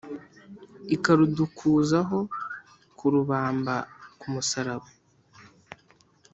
ikarudukuzaho kurubamba ku musaraba